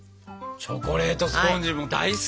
チョコレートスポンジも大好き。